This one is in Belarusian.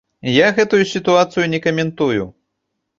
Я гэтую сітуацыю не каментую.